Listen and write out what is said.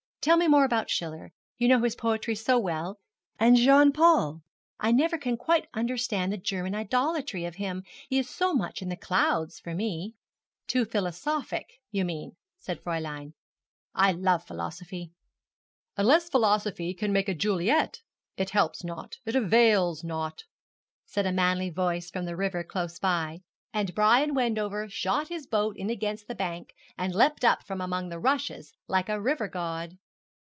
Tell me more about Schiller you know his poetry so well and Jean Paul. I never can quite understand the German idolatry of him. He is too much in the clouds for me.' 'Too philosophic, you mean,' said Fräulein. 'I love philosophy.' '"Unless philosophy can make a Juliet, it helps not, it avails not,"' said a manly voice from the river close by, and Brian Wendover shot his boat in against the bank and leapt up from among the rushes like a river god.